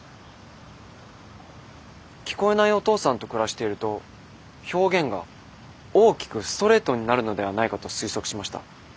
聞こえないお父さんと暮らしていると表現が大きくストレートになるのではないかと推測しました。